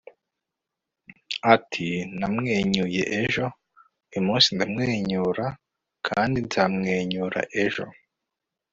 ati: namwenyuye ejo, uyu munsi ndamwenyura kandi nzamwenyura ejo